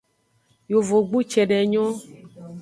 Yovogbu cede nyon.